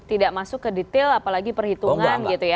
tidak masuk ke detail apalagi perhitungan gitu ya